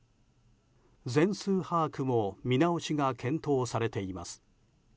全数把握も見直しが検討されています。